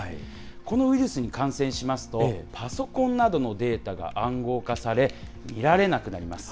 このウイルスに感染しますと、パソコンなどのデータが暗号化され、見られなくなります。